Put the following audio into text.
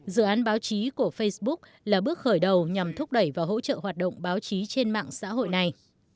dự án báo chí của facebook là bước khởi đầu nhằm thúc đẩy và hỗ trợ hoạt động báo chí trên mạng xã hội này